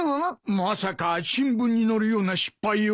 まさか新聞に載るような失敗を？